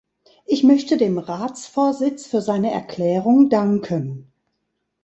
Ich möchte dem Ratsvorsitz für seine Erklärung danken.